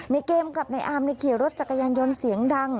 ในเกมกับในอาร์มในขี่รถจักรยานยนต์เสียงดัง